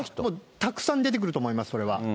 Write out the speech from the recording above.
たくさん出てくると思います、これは。